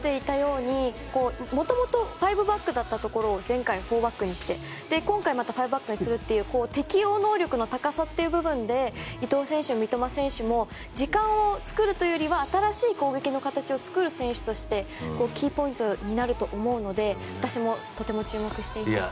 松木さんもおっしゃられていたように元々５バックだったところを前回４バックにして今回５バックにするという適応能力の高さというところで伊東選手、三笘選手も時間を作るというよりは新しい攻撃の形を作る選手としてキーポイントになると思うので私もとても注目しています。